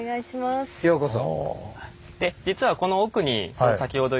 ようこそ。